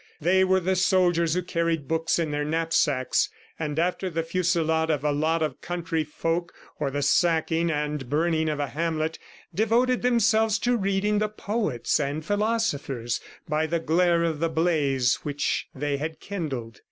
They were the soldiers who carried books in their knapsacks, and after the fusillade of a lot of country folk, or the sacking and burning of a hamlet, devoted themselves to reading the poets and philosophers by the glare of the blaze which they had kindled.